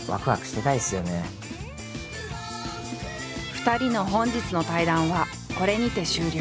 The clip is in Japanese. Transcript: ２人の本日の対談はこれにて終了。